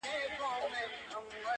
نه خاطر گوري د وروڼو نه خپلوانو!